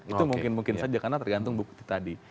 itu mungkin mungkin saja karena tergantung bukti tadi